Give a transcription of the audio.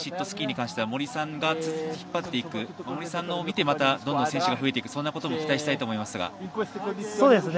スキーに関しては森さんが引っ張っていくどんどん選手が増えていくそんなことも期待したいと思いますが。